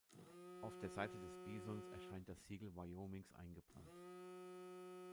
Auf der Seite des Bisons erscheint das Siegel Wyomings eingebrannt.